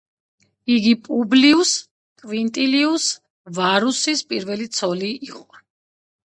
იგი პუბლიუს კვინტილიუს ვარუსის პირველი ცოლი იყო.